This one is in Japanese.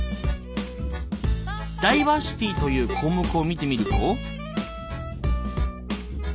「ダイバーシティ」という項目を見てみると。